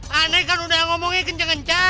panik kan udah ngomongnya kencang kencang